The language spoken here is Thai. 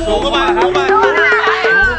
ซูมเข้ามาค่ะ